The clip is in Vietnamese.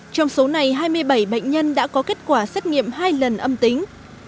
trong số này hai mươi bảy bệnh nhân đã có kết quả xét nghiệm hai lần âm tính